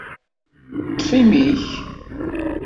Ṭṭef imi-k!